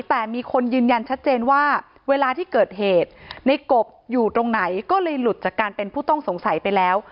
แต่มีคนยืนยันชัดเจนว่าเวลาที่เกิดเหตุในกบอยู่ตรงไหนก็เลยหลุดจากการเป็นผู้ต้องสงสัยไปแล้ว